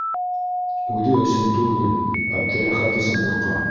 Үҙе өсөн түгел, Әптеләхәт өсөн ҡурҡа.